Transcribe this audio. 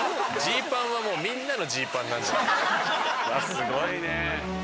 すごいねぇ。